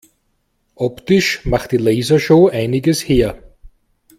Optisch macht die Lasershow einiges her.